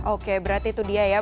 oke berarti itu dia ya